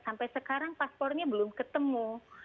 sampai sekarang paspornya belum ketemu